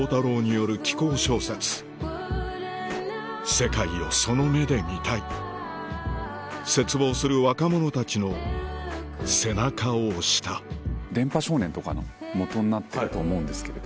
世界をその目で見たい切望する若者たちの背中を押した『電波少年』とかの基になってると思うんですけれど。